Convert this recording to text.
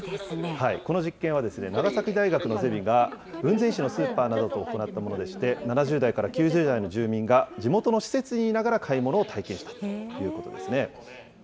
この実験は長崎大学のゼミが、雲仙市のスーパーなどと行ったものでして、７０代から９０代の住民が、地元の施設にいながら買い物を体験したということですね。